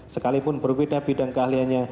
sekalipun berbeda bidang keahliannya